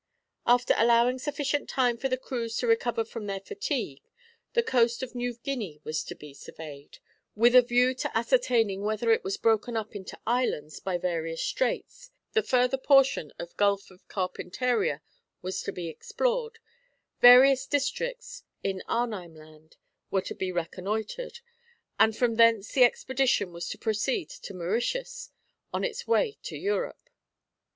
After allowing sufficient time for the crews to recover from their fatigue, the coast of New Guinea was to be surveyed, with the view to ascertaining whether it was broken up into islands by various straits, the further portion of Gulf of Carpentaria was to be explored, various districts in Arnheim Land were to be reconnoitred, and from thence the expedition was to proceed to Mauritius, on its way to Europe.